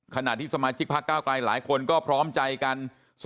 ขณะที่สมาชิกพักเก้าไกลหลายคนก็พร้อมใจกัน